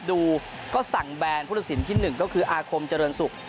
ดูก็สั่งแบรนด์ผู้ทัศนที่๑ก็คืออาคมเจริญสุข